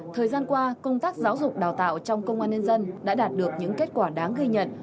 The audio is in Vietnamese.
thời gian qua công tác giáo dục đào tạo trong công an nhân dân đã đạt được những kết quả đáng ghi nhận